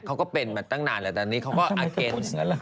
เขาก็เป็นมาตั้งนานแล้วตอนนี้เขาก็อาเคน